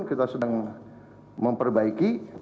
kita sedang memperbaiki